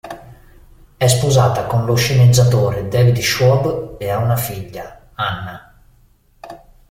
È sposata con lo sceneggiatore David Schwab ed ha una figlia, Anna.